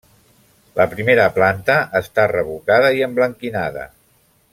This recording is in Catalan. La primera planta està revocada i emblanquinada.